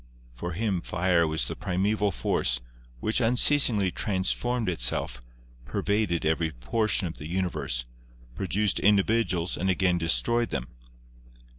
For him fire was the primeval force, which unceasingly transformed itself, pervaded every portion of the universe, produced individuals and again destroyed them.